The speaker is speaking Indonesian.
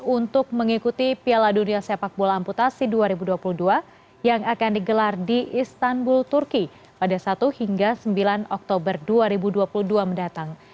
untuk mengikuti piala dunia sepak bola amputasi dua ribu dua puluh dua yang akan digelar di istanbul turki pada satu hingga sembilan oktober dua ribu dua puluh dua mendatang